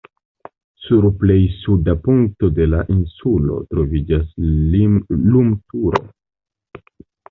Sur plej suda punkto de la insulo troviĝas lumturo.